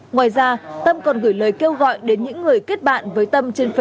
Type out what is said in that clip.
ngoài ra tâm còn gửi lời kêu gọi đến những người kết bạn với tâm trên facebook